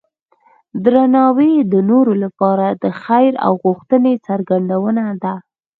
درناوی د نورو لپاره د خیر غوښتنې څرګندونه ده.